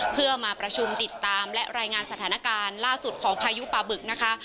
เพื่อมาประชุมติดตามและรายงานสถานการณ์ล่าสุดของพายุปลาบึกนะคะ